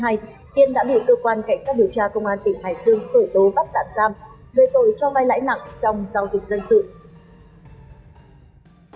khởi tố bắt tạm giam về tội trao vay lãi nặng trong giao dịch dân sự